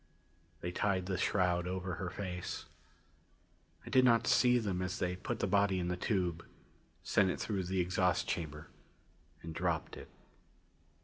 They tied the shroud over her face. I did not see them as they put the body in the tube, sent it through the exhaust chamber and dropped it.